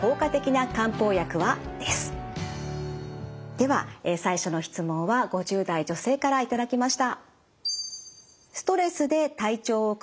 では最初の質問は５０代女性から頂きました。